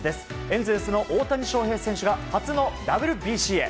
エンゼルスの大谷翔平選手が初のＷＢＣへ。